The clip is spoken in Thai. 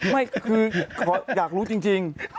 ไม่คืออยากรู้จริง